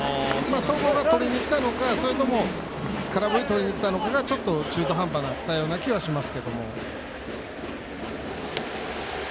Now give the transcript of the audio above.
戸郷がとりにきたのかそれとも空振りとりにきたのかが中途半端になったような気がしますけど。